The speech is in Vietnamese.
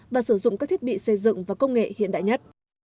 và sử dụng các thiết bị xây dựng và công nghệ hiện đại nhất